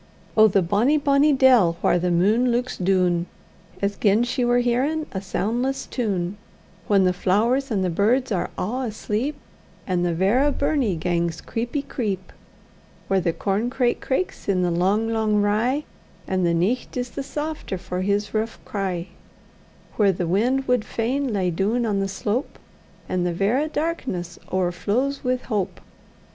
Oh! the bonny, bonny dell, whaur the mune luiks doon, As gin she war hearin' a soundless tune, Whan the flowers an' the birds are a' asleep, And the verra burnie gangs creepy creep; Whaur the corn craik craiks in the lang lang rye, And the nicht is the safter for his rouch cry; Whaur the wind wad fain lie doon on the slope, And the verra darkness owerflows wi' hope!